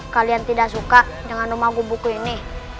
kalian tidak suka dengan rumah buku ini